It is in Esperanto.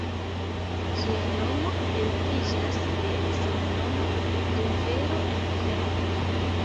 Ĝia nomo deriviĝas de samnoma rivero en Kongo.